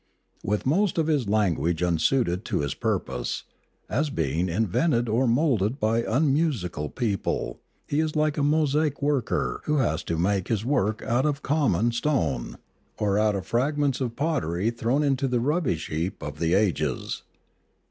With most of his language unsuited to his purpose, as being invented or moulded by unmusical people, he is like a mosaic worker who has to make his work out of common stone, or out of fragments of pottery thrown Literature A1 7 into the rubbish heap of the ages.